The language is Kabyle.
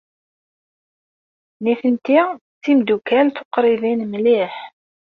Nitenti d timeddukal tuqribin mliḥ.